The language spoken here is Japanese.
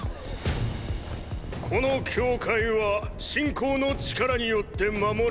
この教会は信仰の力によって守られています。